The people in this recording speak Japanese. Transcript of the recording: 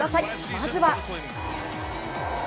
まずは。